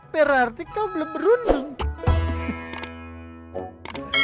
berarti kau belum berundur